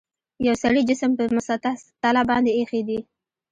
یو سړي جسم په مسطح تله باندې ایښي دي.